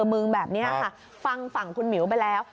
มึงแบบนี้ค่ะฟังฝั่งคุณหมิวไปแล้ว